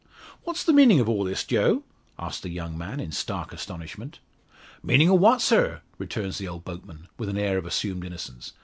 "What's the meaning of all this, Joe?" asks the young man, in stark astonishment. "Meanin' o' what, sir?" returns the old boatman, with an air of assumed innocence.